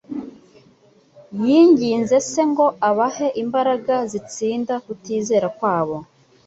Yinginze Se ngo abahe imbaraga zitsinda kutizera kwabo,